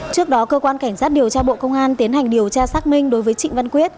trước đó cơ quan cảnh sát điều tra bộ công an tiến hành điều tra xác minh đối với trịnh văn quyết